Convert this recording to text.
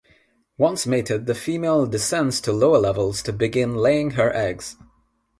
Once mated the female descends to lower levels to begin laying her eggs.